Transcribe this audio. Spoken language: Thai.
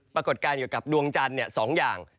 ปรากฏการณ์เกี่ยวกับดวงจันทร์๒อย่าง